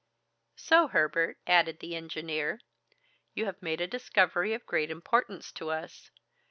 "So, Herbert," added the engineer, "you have made a discovery of great importance to us.